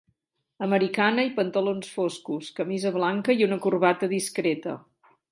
Americana i pantalons foscos, camisa blanca i una corbata discreta.